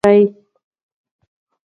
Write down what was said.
که تاسي ناروغه یاست نو ډېره مېوه خورئ.